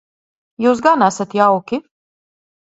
Jūs gan esat jauki.